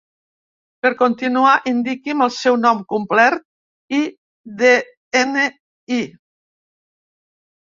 Per continuar, indiqui'm el seu nom complet i de-ena-i.